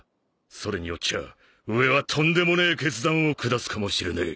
それによっちゃあ上はとんでもねえ決断を下すかもしれねえ。